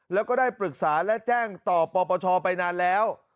แล้วก็ได้ปรึกษาและแจ้งต่อปปชไปนานแล้ว